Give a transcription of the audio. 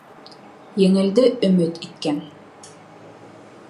Еңелде өмөт иткән